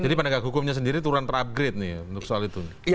jadi pendagang hukumnya sendiri turun terupgrade nih untuk soal itu